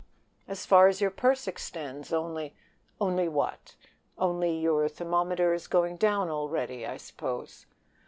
"As far as your purse extends: only " "Only what? Only your thermometer is going down already, I suppose."